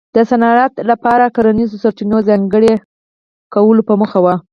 د صنعت لپاره کرنیزو سرچینو ځانګړي کولو په موخه و.